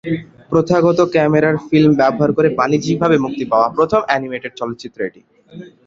প্রথাগত ক্যামেরার ফিল্ম ব্যবহার করে বাণিজ্যিকভাবে মুক্তি পাওয়া প্রথম অ্যানিমেটেড চলচ্চিত্র এটি।